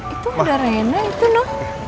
itu udah rena itu no